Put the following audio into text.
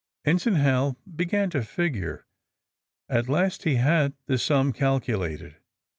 Ensign Hal began to figure. At last he had the sum calculated.